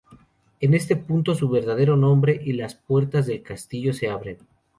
En este punto da su verdadero nombre y las puertas del castillo se abren.